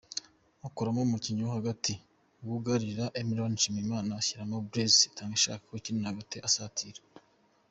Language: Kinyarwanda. Akuramo umukinnyi wo hagati wugarira Imran Nshiyimana ashyiramo Blaise Itangishaka ukina hagati asatira.